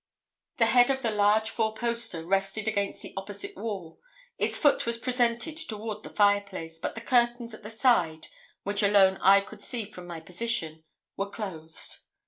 The head of the large four poster rested against the opposite wall. Its foot was presented toward the fireplace; but the curtains at the side, which alone I could see from my position, were closed.